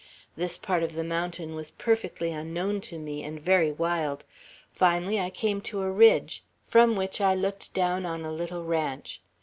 This part of the mountain was perfectly unknown to me, and very wild. Finally I came to a ridge, from which I looked down on a little ranch.